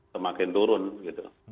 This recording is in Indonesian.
semakin turun gitu